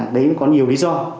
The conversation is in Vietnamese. đấy có nhiều lý do